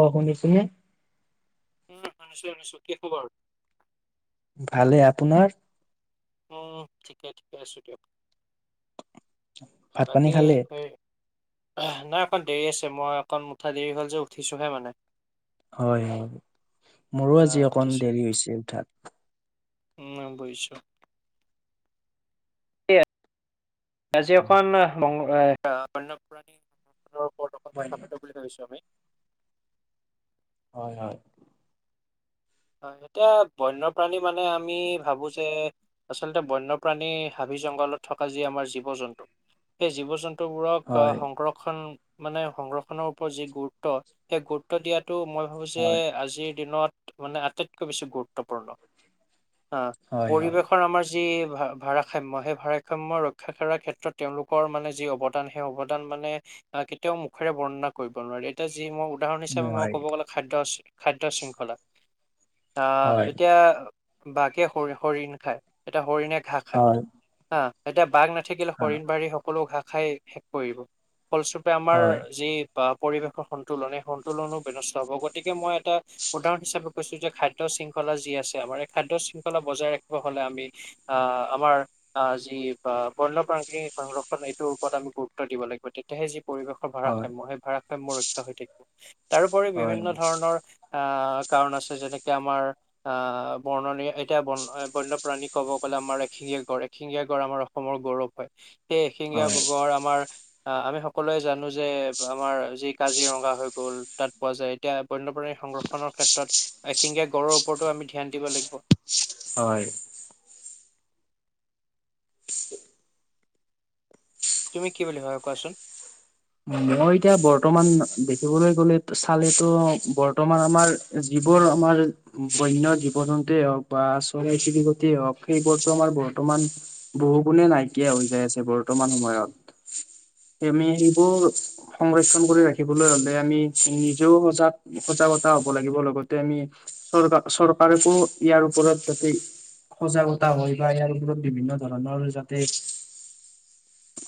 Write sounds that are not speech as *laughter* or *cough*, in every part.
আহ শুনিছোনে উম শুনিছো শুনিছো কি খবৰ ভালে আপোনাৰ উম ঠিকে ঠিকে আছোঁ দিয়ক। ভাত পানী বাকী খালে? স নাই অকণ দেৰি আছে, মই অকণ উঠা দেৰি হ'ল যে উঠিছোঁহে মানে। হয়, হয় মোৰো আহ আজি অকণ উঠিছো দেৰি হৈছে উঠাত। উম বইছো। সেই আজি এখন বণ্যপ্ৰাণী আপোনাৰ ওপৰত অকন হয় কথা পাতি বুলি ভাবছোঁ আমি। হয়, হয়। হয় এতিয়া বন্যপ্ৰাণী মানে আমি ভাবো যে আচলতে বন্যপ্ৰাণী। জংঘলত থকা যি আমাৰ জীৱ-জন্তু সেই জীৱ- জন্তু বোৰক হয় সংৰক্ষণ মানে সংৰক্ষনৰ ওপৰত যি গুৰুত্ব সেই গুৰুত্ব দিয়াত তটো মই ভাবো যে হয় আজিৰ দিনত মানে আটাইতকৈ বেছি গুৰুত্বপূৰ্ণ। অ' হয় হয় পৰিৱেশৰ আমাৰ যি ভাৰসাম্য সেই ভাৰসাম্য ৰক্ষা কৰাৰ ক্ষেত্ৰত তেওঁলোকৰ মানে যি অৱদান সেই অৱদান মানে। আহ কেতিয়াও মুখেৰে বৰ্ণনা কৰিব নোৱাৰে এতিয়া যি মই। উদাহৰণ হিচাপে মই নোৱাৰি ক'ব গ'লে খাদ্য খাদ্য শৃংখলা। আহ হয় এতিয়া বাঘে হৰিণ খায়, এতিয়া হৰিণে ঘাঁহ খায় হয় হয় হা এতিয়া বাঘ ন থাকিলে হৰিণ বাৰি সকলো ঘাঁহ খাই শেষ কৰিব ফলস্বৰূপে আমাৰ হয় যি বা পৰিৱেশৰ সন্তুলন এই সন্তুলনো ব্যস্ত হব গতিকে মই এটা উদাহৰণ হিচাপে। কৈছো যে খাদ্য শৃংখলা যি আছে আমাৰ এই খাদ্য শৃংখলা বজাই ৰাখিব হ'লে আমি আহ আমাৰ আহ যি বা বন্য প্ৰাণীবোৰৰ সংৰক্ষণ এইটোৰ ওপৰত আমি গুৰুত্ব দিব লাগিব তেতিয়াহে যি। পৰিৱেশৰ হয় ভাৰসাম্য সেই ভাৰাসাম্য ৰক্ষা হৈ থাকিব তাৰোপৰি বিভিন্ন ধৰণৰ। অঁ কাৰণ আছে যেনেকে আমাৰ অ' বননী এতিয়া ব বন্যপ্ৰাণী ক'ব গ'লে আমাৰ এশি ঙীয়া গড় এশিঙগীয়া গড় আমাৰ অসমৰ গৌৰৱ হয়। সেই এশিঙগীয়া হয় গড় আমাৰ আমি সকলোৱে জানো যে আমাৰ যি কাজিৰঙা হৈ গ'ল তাত পোৱা যায় এতিয়া বন্যপ্ৰাণী সংৰক্ষণৰ। ত এশিংগীয়া গড়ৰ ওপৰতো আমি ধ্যান দিব লাগিব। হয়। *inaudible* তুমি কি বুলি হয় কোৱাচোন? মই এতিয়া বৰ্তমান দেখিবলৈ গলে চালেতো বৰ্তমান আমাৰ। যিবোৰ আমাৰ বন্য জীৱ-জন্তুৱে হওঁক বা চৰাই-চিৰিকতিয়ে হওঁক সেইবোৰতো আমাৰ বৰত বৰ্তমান বহু গুণে নাইকিয়া হৈ যায় আছে বৰ্তমান সময়ত। সেই আমি এইবোৰ সংৰক্ষন কৰি ৰাখিবলৈ হ'লে আমি নিজেও সজাগ সজাগতা হ'ব লাগিব লগ তে আমি চৰকাৰ চৰকাৰকো ইয়াৰ ওপৰত যদি সজাগতা হয় বা ইয়াৰ ওৰত বিভিন্ন ধৰণৰ যাতে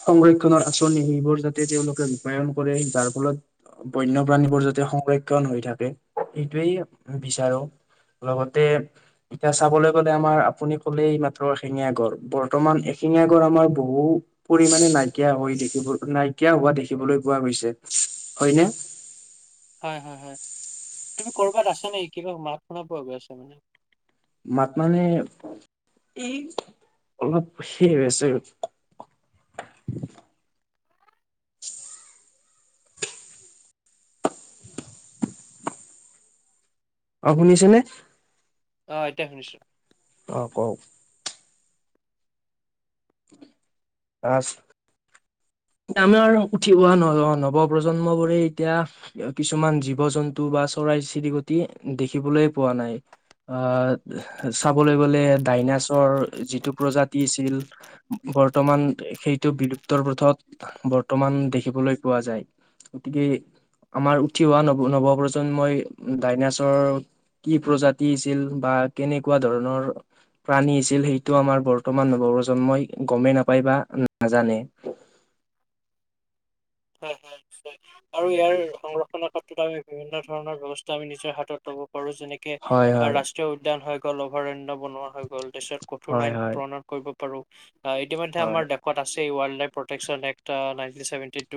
সংৰক্ষনৰৰ আঁচনি সেইবোৰ যাতে তেওঁলোকে ৰূপায়ন কৰে যাৰ ফলত বন্যপ্ৰাণীবোৰ যাতে সংৰক্ষণ হৈ থাকে সেইটোৱেই বিচাৰো। লগতে এতিয়া চাবলৈ গলে আমাৰ আপুনি কলেই মাত্ৰ শেঙীয়া গৰ বৰ্তমান এশিঙীয়া গড়ৰ আমাৰ বহুত পৰিমাণে নাইকিয়া হৈ দেখিব নাইকিয়া হোৱা দেখিবলৈ পোৱা গৈছে হয়নে! *inaudible* হয়, হয়, হয় তুমি ক'ৰবাত আছা নেকি? কিবা মাত শুনাব গৈ আছে মানে। *unintelligible* পানী ই অলপ সেইছিল *inaudible* অ', শুনিছেনে? অঁ এতিয়া শুনিছো। অ', কওঁক। *unintelligible* আমি আৰু উঠি অহা ন নৱ প্ৰজন্ম বোৰে এতিয়া কিছুমান জীৱ-জন্তু বা চৰাই চিৰিকটি দেখিবলৈ পোৱা নাই। অ', চাবলে গ'লে ডাইনাছৰ যিটো প্ৰজাতিৰ ছিল। বৰ্তমান সেইটো বিলুপ্তৰ পথত বৰ্তমান দেখিবলৈ পোৱা যায়। গতিকে আমাৰ উঠি অহা নৱ-নৱপ্ৰজন্মই ডাইনাছৰ কি প্ৰজাতি আছিল, বা কেনেকুৱা ধৰণৰ প্ৰাণী আছিল সেইটো আমাৰ বৰ্তমান নৱপ্ৰজন্মই গমেই নাপায় বা নাজানে। হয়, হয়। আৰু ইয়াৰ সংৰক্ষনৰ ক্ষেত্ৰত আমি বিভিন্ন ধৰণৰ ব্যৱস্থা আমি নিজৰ হাতত ল'ব কৰোঁ, যেনেকে হয় হয়। ৰাষ্ট্ৰীয় উদ্যান হৈ গ'ল, অভয়াৰণ্য। বনোৱা হৈ গ'ল, তাৰচত কঠোৰ হয় আইন হয় প্ৰণব কৰিব পাৰোঁ, আ, ইতিমধ্যে হয় আমাৰ *unintelligible* আছ *unintelligible* লাইফ প্ৰটেকচন একটা নাইনটি ছেভেটি টো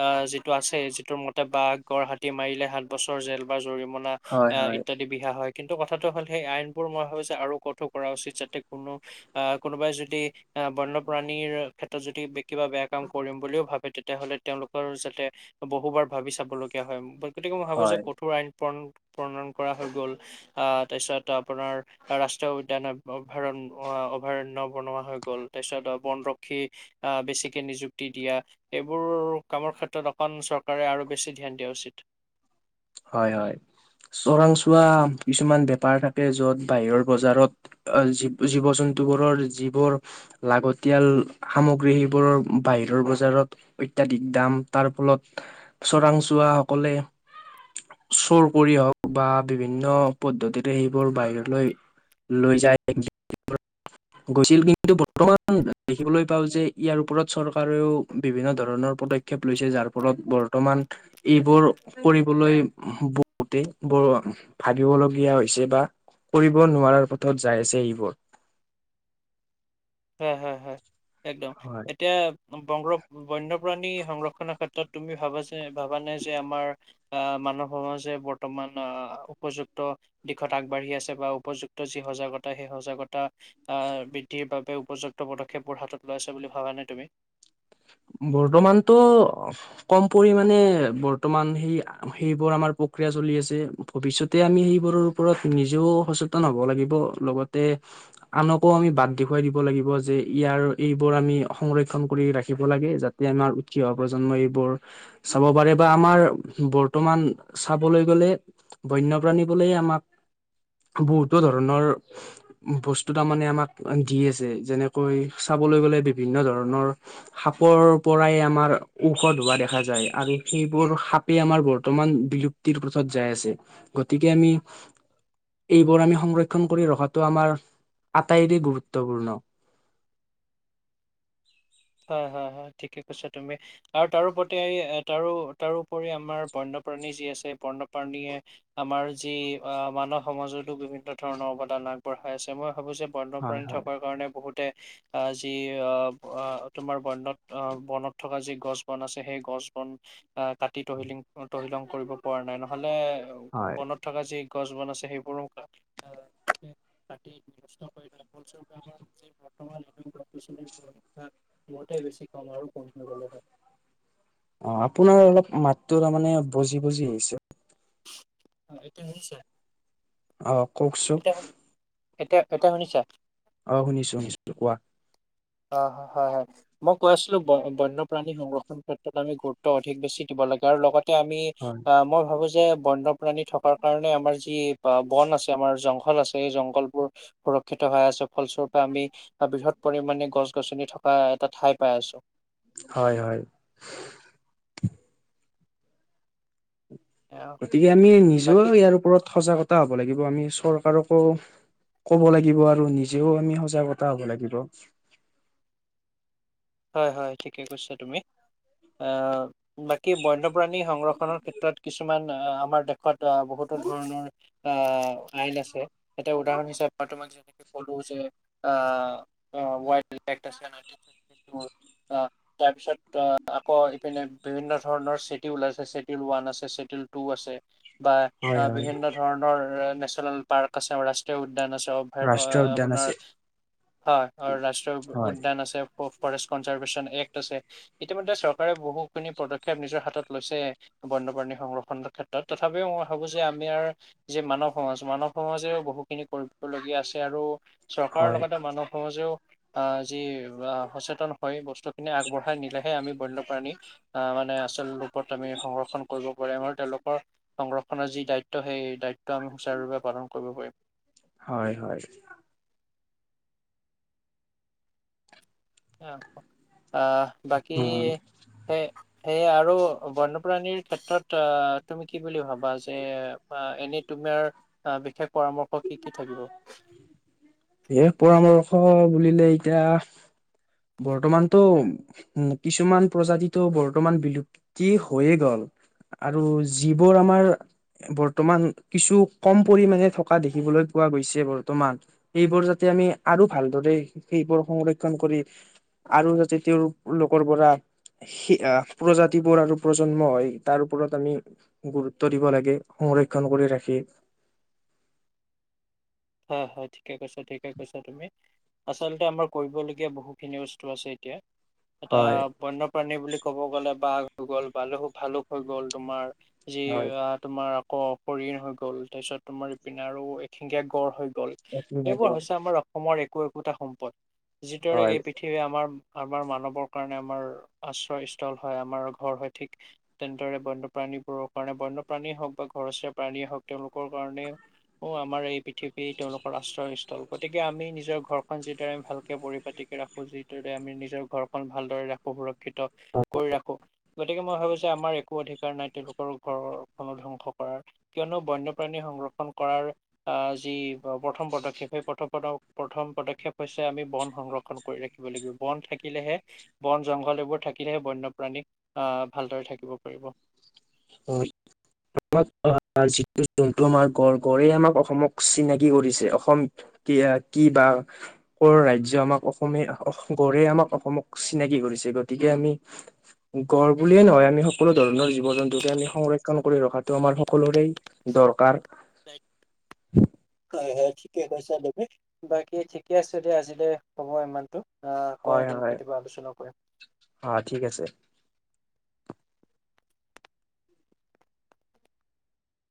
অ যিটো আছে। যিটোৰ মতে বাঘ গড় হাতী মাৰিলে সাত বছৰ জেল বা জৰিম। পূণ হয় হয় ইত্যাদি বিহা হয়। কিন্তু কথাটো হ'ল, সেই আইনবোৰ মই ভাবোঁ যে, আৰু কঠোৰ কৰা উচিত যাতে কোনো আ, কোনোবাই যদি অ বন্যপ্ৰাণীৰ ক্ষেত্ৰত যদি কিবা বেয়া কাম কৰিম বুলিও ভাবে তেতিয়া। তেতিয়াহ'লে তেওঁলোকৰ যাতে বহুবাৰ ভাবি চাবলগীয়া হয়, গতিকে মই ভাবোঁ যে, হয় কঠোৰ আইন প্ৰণ প্ৰণয়ন কৰা হৈ গ'ল। আহ তাৰপিছত আপোনাৰ ৰাষ্ট্ৰীয় উদ্যানাৰণ অভয়াৰণ্য। অভয়াৰণ্য বনোৱা হৈ গ'ল। তাৰপিছত বনৰক্ষী আহ বেছিকে নিযুক্তি দিয়া। এইবোৰ কামৰ ক্ষেত্ৰত অকণ চৰকাৰে আৰু বেছি ধ্যান দিয়া উচিত। হয়, হয়। চোৰাংচোৱা কিছুমান বেপাৰ থাকে য'ত বাহিৰৰ বজাৰত জী-জীৱ জন ধোৱৰৰ যিবোৰ লাগতিয়াল সামগ্ৰী সেইবোৰৰ বাহিৰৰ বজাৰত। অত্যাধিক দাম তাৰ ফলত চোৰাংচোৱাসকলে। চোৰ কৰি হওঁক বা বিভিন্ন পদ্ধতিতে সেইবোৰ বাহিৰলৈ লৈ যায় এক। গৈছিল কিন্তু বৰ্তমান দেখিবলৈ পাও যে। ইয়াৰ ওপৰত চৰকাৰেও বিভিন্ন ধৰণৰ প্ৰত কেপ লৈছে যাৰ ফলত বৰ্তমান এইবোৰ কৰিবলৈ। *unintelligible* ভাবিবলগীয়া হৈছে বা কৰিব নোৱাৰাৰ পথত যায় আছে এইবোৰ। হয়, হয়, হয়, একদম। হয়। এতিয়া বংগ বন্যপ্ৰাণী সংৰক্ষনৰ ক্ষেত্ৰত তুমি ভাবা যে ভাবা নাই যে আমাৰ। মানৱ সমাজে বৰ্তমান অ' উপযুক্ত দিশত আগবাঢ়ি আছে বা উপযুক্ত যি সজাগতা সেই সজাগতা আহ বৃদ্ধিৰ বাবে। উপযুক্ত পদক্ষেপবোৰ হাতত লইছে বুলি ভাবানে তুমি। বৰ্তমানতো কম পৰিমানে বৰ্তমান সেই সেইবোৰ আমাৰ প্ৰক্ৰিয়া চলি আছে। ভৱিষ্যতে আমি সেইবোৰৰ ওপৰত নিজেও সচেতন হ'ব লাগিব লগতে আনকো আমি বাট দেখুৱাই দিব লাগিব যে ইয়াৰ এইবোৰ আমি সংৰক্ষন কৰি ৰাখি ব লাগে, যাতে আমাৰ উঠি অহা প্ৰজন্ম এইবোৰ চাব পাৰে বা আমাৰ বৰ্তমান চাবলৈ গ'লে বন্যপ্ৰাণী বোলে আমাক বহুতো ধৰণৰ বস্তু তাৰমানে আমাক দি আছে যেনেকৈ চাবলৈ গ'লে বিভিন্ন ধৰণৰ সাপৰ পৰাই আমাৰ ঔষধ হোৱা দেখা যায়, আৰু সেইবোৰ সাপে আমাৰ বৰ্তমান বিলুপ্তিৰ পথত যাই আছে। গতিকে আমি, এইবোৰ আমি সংৰক্ষণ কৰি ৰখাটো আমাৰ আটাইৰে গুৰুত্বপূৰ্ণ *inaudible* হয়, হয় ঠিকে কৈছো তুমি, আৰু তাৰোপতি তাৰো তাৰোপৰি আমাৰ বন্যপ্ৰাণী যি আছে পৰ্ণপ্ৰাণীয়ে আমাৰ যি অ মানৱ সমাজতো বিভিন্ন ধৰণৰ অৱদান আগবঢ়া। পায় আছে মই ভাবো যে বন্যপ্ৰাণী থকাৰ কাৰণে বহুতে অ' যি অ' তোমাৰ বন্যত অ বনত থকা যি গছ বন আছে সেই গছ বন আহ কাটি তহিলি। কৰিব পৰা নাই নহ'লে বনত থকা যি গছ বন আছে সেইবোৰো। ত নষ্ট কৰিলে ফলস্বৰূপে আৰু বৰ্তমান *unintelligible* বলতে বেছি কম আৰু কম হৈ গ'লে হয়। অ আপোনাৰ অলপ মাতটো তাৰমানানে বজি বজি আহিছে। অ' এতিয়া হৈছে। আৰু কওঁকচোন। এতিয়া এতিয়া শুনিছা? অ' শুনিছো, শুনিছো কোৱা? অ' হয়, হয় মই কৈ আছিলোঁ বন্যপ্ৰাণী সংৰক্ষণ ক্ষেত্ৰত আমি গুৰুত্ব অধিক বেছি দিব লাগে আৰু লগতে আমি হয় অ' মই ভাবো যে বন্য প্ৰাণী থকাৰ কাৰণে আমাৰ যি বা বন আছে আমাৰ জংঘল আছে এই জংঘল বোৰ সুৰক্ষিত হৈ আছে। ফলস্বৰূপে আমি বৃহৎ পৰিমানে গছ গছনি থকা এটা ঠাই পাই আছোঁ। হয়, হয়। অ, গতিকে আমি নিজেও বাকী ইয়াৰ ওপৰত সজাগতা হ'ব লাগিব আমি চৰকাৰকো কব লাগিব আৰু নিজেও আমি সজাগতা হ'ব লাগিব। হয়, হয়, ঠিকে কৈছা তুমি, আ, বাকী বন্যপ্ৰাণী সংৰক্ষণৰ ক্ষেত্ৰত কিছুমান আমাৰ দেশত বহুতো ধৰণৰ আহ আইন আছে এটা উদাহৰণ হৈছে আমাৰ তোমাক যেনেকে কলো যে অ' ওৱাইল্ড *unintelligible* তাৰ পিছত অ' আকৌ ইপিনে বিভিন্ন ধৰণৰ ছেটিউল আছে ছেটিউল ওৱান আছে ছেটিউল টু আছে বা হয় হয় বিভিন্ন ধৰণৰ নেচনেল পাৰ্ক আছে ৰাষ্ট্ৰীয় উ উ্যান আছে অভয় ৰাষ্ট্ৰীয় উদ্যান আপোনাৰ আছে হয় ৰাষ্ট্ৰীয় হয় উদ্যান আছে ফৰেষ্ট কনজাৰভেচন এক্ট আছে, ইতিমধ্যে চৰকাৰে বহুখিনি পদক্ষেপ নিজৰ হাতত লৈছে বৰ্ত বন্যপ্ৰাণী সংৰক্ষণ ক্ষেত্ৰত তথাপিও মই ভাবোঁ যে, আমি আৰু যে, মানৱ সমাজ, মানৱ সমাজে বহুখিনি কৰ-কৰিবলগীয়া আছে আৰু চৰকাৰৰ হয় লগতে মানুহ সমাজেয়ো আ, যি আ, সচেত হয় বস্তুখিনি আগবঢ়াই নিলেহে আমি বন্যপ্ৰাণী আহ মানে আচল ৰূপত আমি সংৰক্ষণ কৰি *unintelligible* তেওঁলোকৰ সংৰক্ষণৰ যি দায়িত্ব সেই দায় ত' আমি সুচাৰুৰূপে পালন কৰিব পাৰিম। হয় হয় আহ, বাকী অ সেই সেই আৰু বন্যপ্ৰাণীৰ ক্ষেত্ৰত অ', তুমি কি বুলি ভাবা? যে, আ, এনেই তুমি আ, বিশেষ পৰামৰ্শ কি, কি থাকিব? এই পৰামৰ্শ বুলিলে এতিয়া বৰ্তমানতো উম, কিছুমান প্ৰজাতিটো বৰ্তমান বিলুপ্তি হৈয়ে গ'ল। আৰু যিবোৰ আমাৰ বৰ্তমান কিছু কম পৰিমাণে থক কা দেখিবলৈ পোৱা গৈছে বৰ্তমান সেইবোৰ যাতে আমি আৰু ভালদৰে সেইবোৰ সংৰক্ষণ কৰি বুলি আৰু যাতে তেওঁৰ লোকৰ পৰা সি-আ, প্ৰজাতিবোৰ আৰু প্ৰজন্মই তাৰ ওপৰত আমি গুৰুত্ব দিব লাগে। সংৰক্ষণ কৰি ৰাখি। হয়, হয় ঠিকে কৈছা, ঠিকে কৈছা তুমি। আচলতে আমাৰ কৰিবলগীয়া বহুখিনি বস্তু আছে এতিয়া। এটা হয় বন্যপ্ৰাণী বুলি ক'ব গ'লে বাঘ হৈ গ'ল *unintelligible* ভালুক হৈ গ'ল তোমাৰ যি হয় অ' তোমাৰ আকৌ অপৰিণ হৈ গ'ল তাৰপিছত তোমাৰ ইপিনে আৰু এশিঙীয়া গঁড় হৈ গ'ল। গ'ল এইবোৰ হৈছে আমাৰ অসমৰ একো একোটা সম্পদ যিদৰে এই পৃথিৱী আমাৰ আমাৰ মানৱৰ কাৰণে আমাৰ আশ্ৰয়স্থল হয়, আমাৰ ঘৰ হয়, ঠিক তেনেদৰে বন্যপ্ৰাণী বোৰৰ কাৰণে বন্যপ্ৰাণীয়ে হওঁক বা ঘৰচীয়া প্ৰাণীয়ে হওঁক তেওঁলোকৰ কাৰণেও আমাৰ এই পৃ পৃথিৱী তেওঁলোকৰ আশ্ৰয়স্থল। গতিকে আমি নিজৰ ঘৰখন যিদৰে আমি ভালকে পৰিপাতিকে ৰাখোঁ, যিদৰে আমি নিজৰ ঘৰখন ভালদৰে ৰাখোঁ সুৰক্ষিত ত কৰি ৰাখো। গতিকে মই ভাবো যে আমাৰ একো অধিকাৰ নাই তেওঁলোকৰ ঘৰখনো ধ্বংস কৰাৰ, কিয়নো বন্যপ্ৰাণী সংক্ষণ কৰাৰ আ যি প্ৰথম পদক্ষেপ সেই প্ৰথম পদ প্ৰথম পদক্ষেপ হৈছে আমি বন সংৰক্ষণ কৰি ৰাখিব লাগিব। বন থাকিলেহে বন জংঘল এইবোৰ থাকিলেহে বন্যপ্ৰাণী আ ভালদৰে থাকিব পাৰিব। হয়। *unintelligible* যিটো জন্তু আমাৰ গঁড়, গড়েই আমাক অসমক চিনাকি কৰিছে অসম কিয়া কি বা কৰ ৰাজ্য আমাক অসমে অস আমাক অসমক চিনাকি কৰি পিছে গতিকে আমি গঁড় বুলিয়ে নহয় আমি সকলো ধৰণৰ জীৱ-জন্তু কাৰণেই আমি সংৰক্ষণ কৰি ৰখাটো আমাৰ সকলোৰে দৰকাৰ। হয় হয়। ঠিকে কৈছা তুমি বাকী ঠিকে আছে দিয়া আজিলৈ হ'ব ইমানতো আকৌ হয় এদিন হয় কেতিয়াবা আলোচনা কৰিম। অ ঠিক আছে